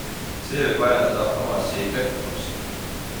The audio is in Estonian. See võib ajendada Hamasi kätte maksma.